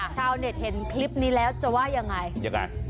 ชาวเน็ตเห็นคลิปนี้แล้วจะว่ายังไงยังไง